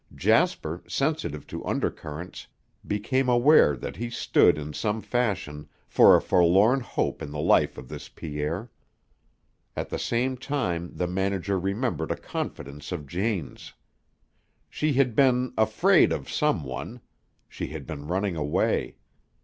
Jasper, sensitive to undercurrents, became aware that he stood in some fashion for a forlorn hope in the life of this Pierre. At the same time the manager remembered a confidence of Jane's. She had been "afraid of some one." She had been running away.